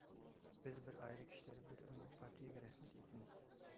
بىز بىر ئائىلە كىشىلىرى بىر ئۆمۈر پارتىيەگە رەھمەت ئېيتىمىز!